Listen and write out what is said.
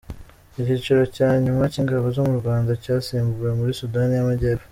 Icyiciro cya nyuma cy’ingabo z’u Rwanda cyasimbuwe muri Sudani y’Amajyepfo